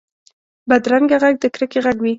بدرنګه غږ د کرکې غږ وي